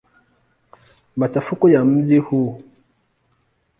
Machafuko ya mji huu.